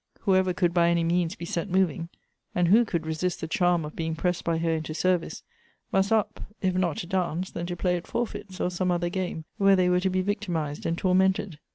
Whoever could by any means be set moving (and who could resist the charm of being pressed by her into service ?) must up, if not to dance, then to play at forfeits, or some other game, where they were to be victimized and tormented.